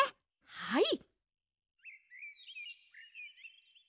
はい！